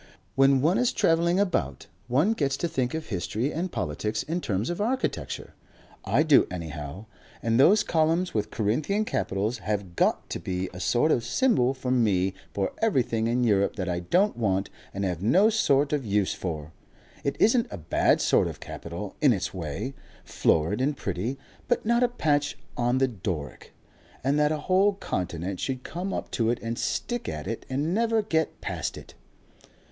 "When one is travelling about, one gets to think of history and politics in terms of architecture. I do anyhow. And those columns with Corinthian capitals have got to be a sort of symbol for me for everything in Europe that I don't want and have no sort of use for. It isn't a bad sort of capital in its way, florid and pretty, but not a patch on the Doric; and that a whole continent should come up to it and stick at it and never get past it!..."